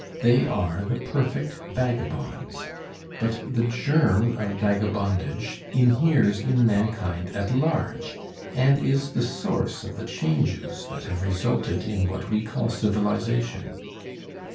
They are the perfect vagabonds; but the germ of vagabondage inheres in mankind at large, and is the source of the changes that have resulted in what we call civilization.